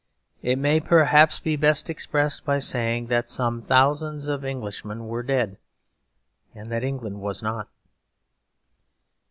It may perhaps be best expressed by saying that some thousands of Englishmen were dead: and that England was not.